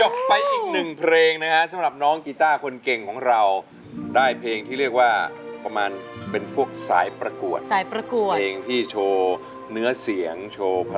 คือเขาแบบไปสายประกวดขนาดตาเขาแบบโบรยไปเนี่ยนะ